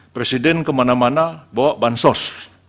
presiden kemana mana bawa bansos